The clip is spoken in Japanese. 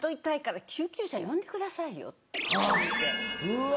うわ。